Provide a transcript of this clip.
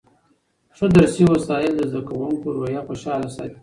ښه درسي وسایل د زده کوونکو روحیه خوشحاله ساتي.